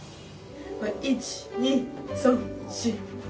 １２３４５